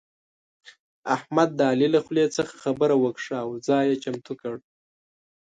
احمد د علي له خولې څخه خبره وکښه او ځای يې چمتو کړ.